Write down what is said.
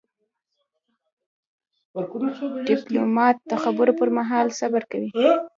ډيپلومات د خبرو پر مهال صبر کوي.